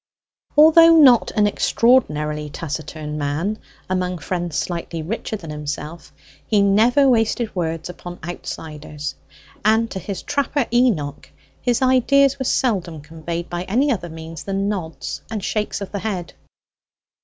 Although not an extraordinarily taciturn man among friends slightly richer than himself, he never wasted words upon outsiders, and to his trapper Enoch his ideas were seldom conveyed by any other means than nods and shakes of the head.